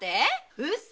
ウソ！